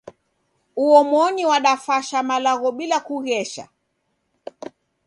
Uomoni wadafasha malagho bila kughesha